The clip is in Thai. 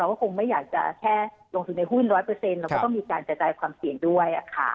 ก็คงไม่อยากจะแค่ลงทุนในหุ้น๑๐๐เราก็ต้องมีการกระจายความเสี่ยงด้วย